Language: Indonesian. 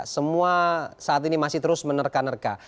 semua saat ini masih terus menerka nerka